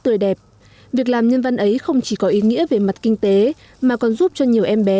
tươi đẹp việc làm nhân văn ấy không chỉ có ý nghĩa về mặt kinh tế mà còn giúp cho nhiều em bé